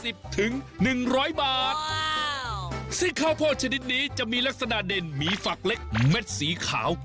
ซึ่งข้าวโพดชนิดนี้จะมีลักษณะเด่นมีฝักเล็กเม็ดสีขาว